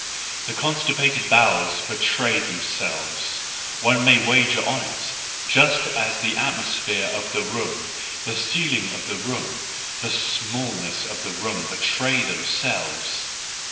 The constipated bowels betray themselves, one may wager on it, just as the atmo¬ sphere of the room, the ceiling of the room, the smallness of the room, betray themselves.